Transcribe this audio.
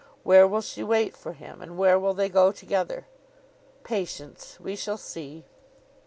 Where will she wait for him? And where will they go together? Patience. We shall see.